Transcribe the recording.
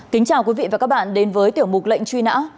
kính chào quý vị và các bạn đến với tiểu mục lệnh truy nã